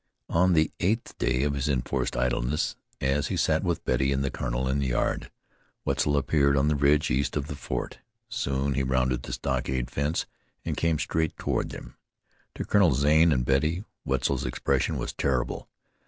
On the eighth day of his enforced idleness, as he sat with Betty and the colonel in the yard, Wetzel appeared on a ridge east of the fort. Soon he rounded the stockade fence, and came straight toward them. To Colonel Zane and Betty, Wetzel's expression was terrible.